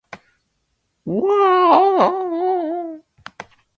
わあーーーーーーーーーー